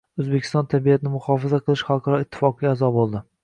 O‘zbekiston Tabiatni muhofaza qilish xalqaro ittifoqiga a’zo bo‘ldi